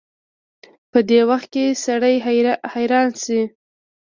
په دې وخت کې سړی حيران شي.